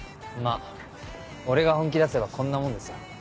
まぁ俺が本気出せばこんなもんですよ。